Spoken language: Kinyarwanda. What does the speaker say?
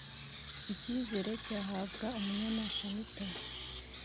Ikizere cyahabwaga Umunyana Shanitah